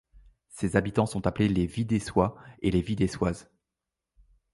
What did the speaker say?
Ses habitants sont appelés les Videixois et les Videixoises.